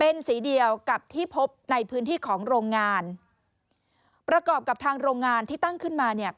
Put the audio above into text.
เป็นสีเดียวกับที่พบในพื้นที่ของโรงงานประกอบกับทางโรงงานที่ตั้งขึ้นมาเนี่ย